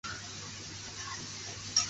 越南使者与朝鲜使者在中国会面时。